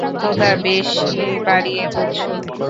খোদা, বেশি বাড়িয়ে বলছো।